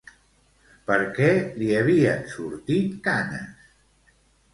Per què li havien sortit canes?